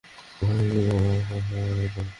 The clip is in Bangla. আরে, সকালে হাটতে হবে।